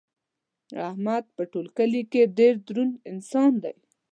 احمد په ټول کلي کې ډېر دروند انسان دی.